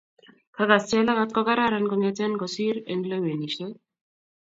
kakas Jelagat ko kararan kongeten kosir eng lewenishiet